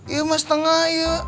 iya mas setengah iya